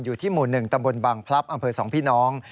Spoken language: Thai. อยู่ที่หมู่๑ตำบลบังพลับอำเภอ๒พี่น้อง